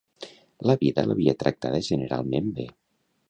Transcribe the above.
La vida l'havia tractada generalment bé?